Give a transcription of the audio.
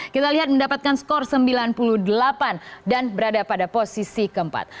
kita lihat mendapatkan skor sembilan puluh delapan dan berada pada posisi keempat